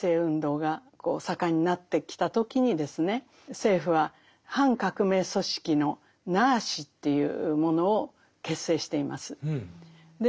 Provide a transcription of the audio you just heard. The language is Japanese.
政府は反革命組織の「ＮＡＳＨ」というものを結成しています。